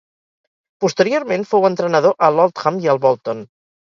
Posteriorment fou entrenador a l'Oldham i al Bolton.